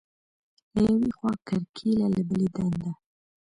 له یوې خوا کرکیله، له بلې دنده.